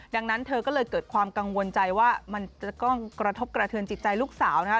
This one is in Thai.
ดังนั้นเธอก็เลยเกิดความกังวลใจว่ามันจะต้องกระทบกระเทือนจิตใจลูกสาวนะครับ